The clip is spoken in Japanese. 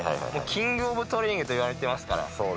キングオブトレーニングといわれてますから。